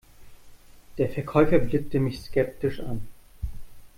Der Verkäufer blickte mich skeptisch an.